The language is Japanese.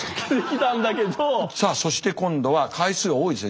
さあそして今度は回数が多いですね